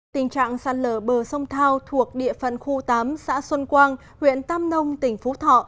tình trạng sạt lở bờ sông thao thuộc địa phận khu tám xã xuân quang huyện tam nông tỉnh phú thọ